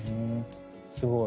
すごい。